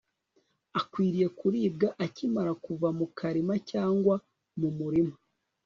Akwiriye Kuribwa Akimara kuva mu Karima cyangwa mu Murima